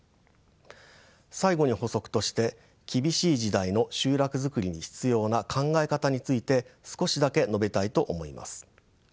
最後に補足として厳しい時代の集落づくりに必要な考え方について少しだけ述べたいと思います。